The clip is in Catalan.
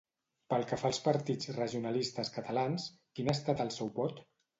Pel que fa als partits regionalistes catalans, quin ha estat el seu vot?